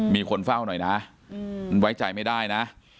มีคนเฝ้าหน่อยนะมันไว้ใจไม่ได้นะ